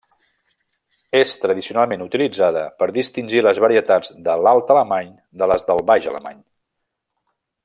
És tradicionalment utilitzada per distingir les varietats de l'Alt Alemany de les del Baix Alemany.